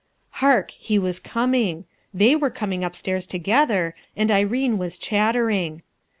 Hark! he was coming! they were coming upstairs together, and Irene was chattering.